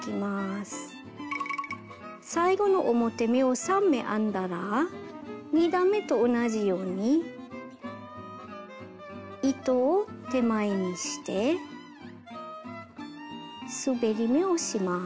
最後の表目を３目編んだら２段めと同じように糸を手前にしてすべり目をします。